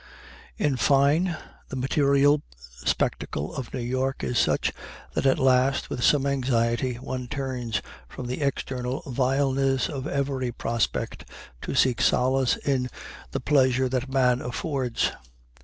In fine, the material spectacle of New York is such that at last, with some anxiety, one turns from the external vileness of every prospect to seek solace in the pleasure that man affords.